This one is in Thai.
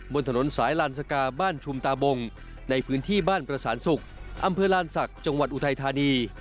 บนถนนสายลานสกาบ้านชุมตาบงในพื้นที่บ้านประสานศุกร์อำเภอลานศักดิ์จังหวัดอุทัยธานี